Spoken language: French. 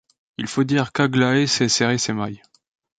Il faut dire qu’Aglaé sait serrer ses mailles.